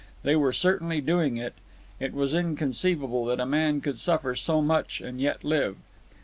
They were certainly doing it. It was inconceivable that a man could suffer so much and yet live.